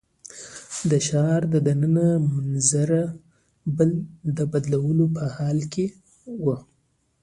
د ښار د ننه منظره تل د بدلون په حال کې وه.